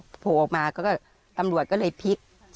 โผล่ออกมาก็ตำรวจก็เลยพลิก